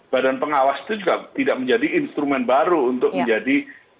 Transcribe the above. badan pengawas itu juga tidak menjadi instrumen baru untuk menjadi